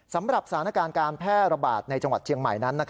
สำหรับสถานการณ์การแพร่ระบาดในจังหวัดเชียงใหม่นั้น